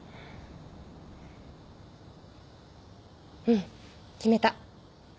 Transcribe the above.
うん決めた。